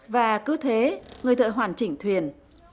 và cứ thế người thợ hoàn chỉnh thuyền